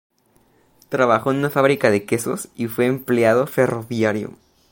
Trabajó en una fábrica de quesos y fue empleado ferroviario.